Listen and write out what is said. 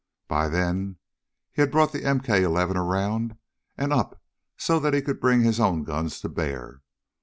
By then he had brought the MK 11 around and up so that he could bring his own guns to bear.